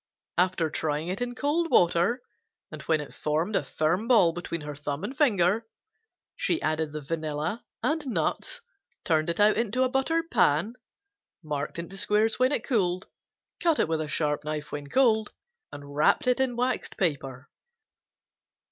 After trying it in cold water, and it formed a firm ball between her thumb and finger, she added the vanilla and nuts, turned it into a buttered pan, marked into squares when cool, cut with a sharp knife when cold and wrapped in waxed paper.